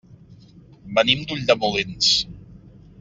Venim d'Ulldemolins.